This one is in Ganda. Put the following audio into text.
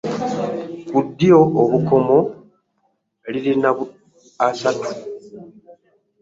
Kuddyo obukomo lirina asatu .